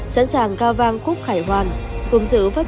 sẵn sàng cao vang khúc khải hoàng